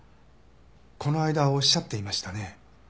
この間おっしゃっていましたね。